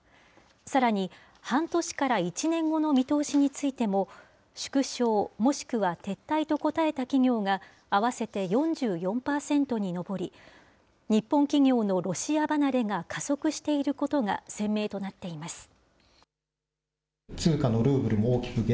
さらに、半年から１年後の見通しについても、縮小、もしくは撤退と答えた企業が、合わせて４４％に上り、日本企業のロシア離れが加速していることが鮮明となっています。